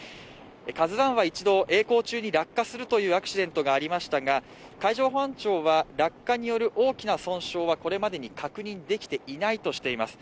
「ＫＡＺＵⅠ」は一度、えい航中に落下するというアクシデントがありましたが海上保安庁は落下による大きな損傷はこれまでに確認できていないとしています。